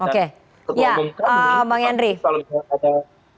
ketua umum pan ini kalau misalnya ada